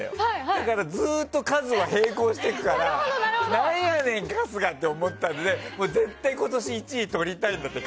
だからずっと数は並行しているから何やねん、春日！って思ったらしいから絶対、今年１位取りたいんだって。